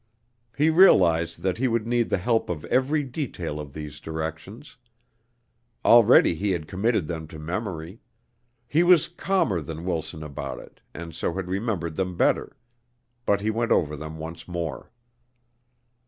He realized that he would need the help of every detail of these directions. Already he had committed them to memory, he was calmer than Wilson about it and so had remembered them better, but he went over them once more.